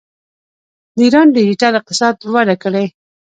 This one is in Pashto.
د ایران ډیجیټل اقتصاد وده کړې.